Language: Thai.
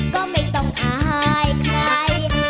ก็ไม่ต้องอายใคร